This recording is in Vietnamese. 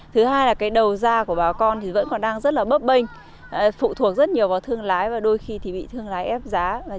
thứ hai là đầu da của bà con vẫn đang rất bấp bênh phụ thuộc rất nhiều vào thương lái và đôi khi bị thương lái ép giá